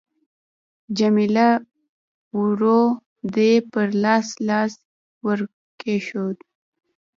جميله ورو د دې پر لاس لاس ورکښېښود.